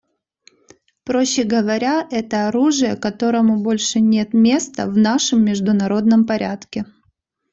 Проще говоря, это оружие, которому больше нет места в нашем международном порядке.